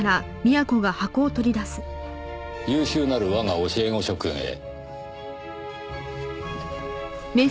「優秀なる我が教え子諸君へ」